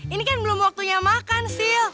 ini kan belum waktunya makan sih